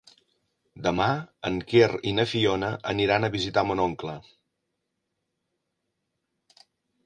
Demà en Quer i na Fiona aniran a visitar mon oncle.